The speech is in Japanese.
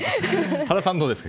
原さんはどうですか？